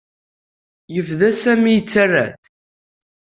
Yebda Sami yettarra-d.